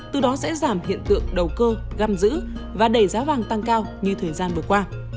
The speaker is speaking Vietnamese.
từ đó sẽ giảm hiện tượng đầu cơ găm giữ và đẩy giá vàng tăng cao như thời gian vừa qua